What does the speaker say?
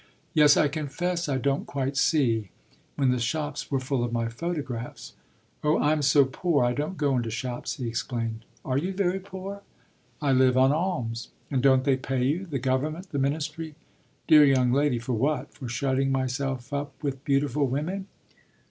"Yes, I confess I don't quite see when the shops were full of my photographs." "Oh I'm so poor I don't go into shops," he explained. "Are you very poor?" "I live on alms." "And don't they pay you the government, the ministry?" "Dear young lady, for what? for shutting myself up with beautiful women?"